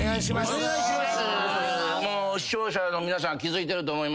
お願いします。